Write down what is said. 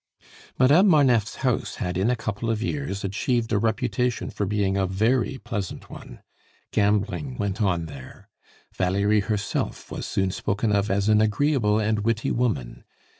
Madame Marneffe's house had in a couple of years achieved a reputation for being a very pleasant one. Gambling went on there. Valerie herself was soon spoken of as an agreeable and witty woman.